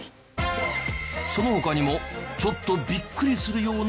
その他にもちょっとビックリするような理由も。